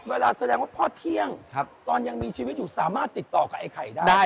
แสดงว่าพ่อเที่ยงตอนยังมีชีวิตอยู่สามารถติดต่อกับไอ้ไข่ได้